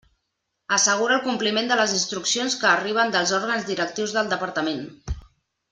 Assegura el compliment de les instruccions que arriben dels òrgans directius del Departament.